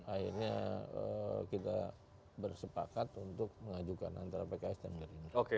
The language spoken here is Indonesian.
akhirnya kita bersepakat untuk mengajukan antara pks dan gerindra